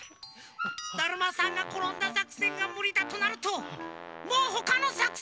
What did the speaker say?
だるまさんがころんださくせんがむりだとなるともうほかのさくせんはない！